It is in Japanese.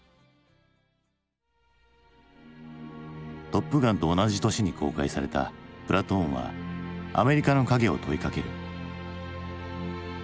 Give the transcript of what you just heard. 「トップガン」と同じ年に公開された「プラトーン」はアメリカの影を問いかける。